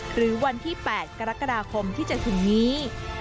หรือวันที่๘กรกฎาคมที่จะถึงนี้